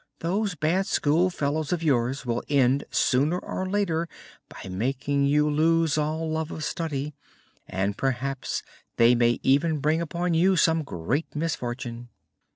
Those bad school fellows of yours will end sooner or later by making you lose all love of study, and perhaps they may even bring upon you some great misfortune."